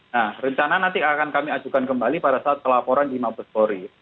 nah rencana nanti akan kami ajukan kembali pada saat pelaporan di mabes polri